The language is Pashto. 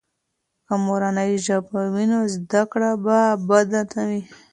که مورنۍ ژبه وي، نو زده کړه به بده نه وي.